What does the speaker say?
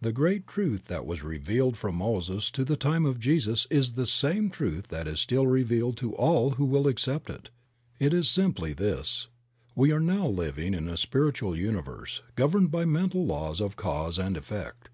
The great truth that was revealed from Moses to the time of Jesus is the same truth that is still revealed to all who will accept it; it is simply this: we are now living in a Spiritual Universe, governed by mental laws of cause and effect.